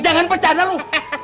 jangan percaya sama lo